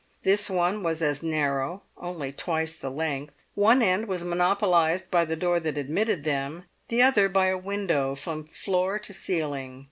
This one was as narrow, only twice the length. One end was monopolised by the door that admitted them, the other by a window from floor to ceiling.